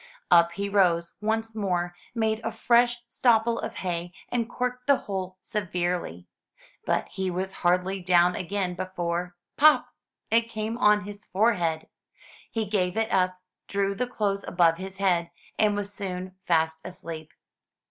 Up he rose once more, made a fresh stopple of hay, and corked the hole severely. But he was hardly down again before — ^pop! it came on his forehead. He gave it up, drew the clothes above his head, and was soon fast asleep.